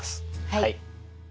はい。